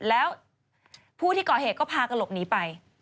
แล้วผู้ที่ก่อเหตุก็พากันหลบหนีไป